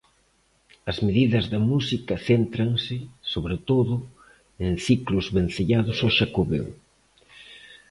As medidas da música céntranse, sobre todo, en ciclos vencellados ao Xacobeo.